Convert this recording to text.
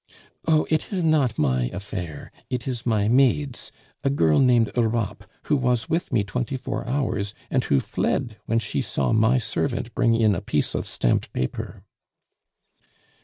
"Oh, it is not my affair. It is my maid's, a girl named Europe, who was with me twenty four hours, and who fled when she saw my servant bring in a piece of stamped paper."